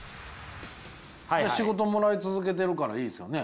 仕事もらい続けてるからいいですよね。